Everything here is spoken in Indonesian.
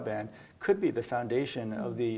tapi mereka harus bergerak dengan cepat